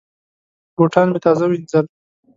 بوټان مې تازه وینځل.